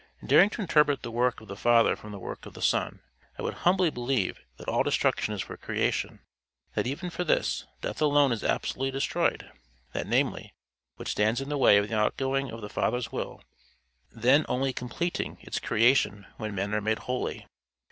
Daring to interpret the work of the Father from the work of the Son, I would humbly believe that all destruction is for creation that, even for this, death alone is absolutely destroyed that, namely, which stands in the way of the outgoing of the Father's will, then only completing its creation when men are made holy.